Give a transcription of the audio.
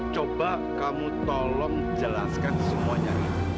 coba kamu tolong jelaskan semuanya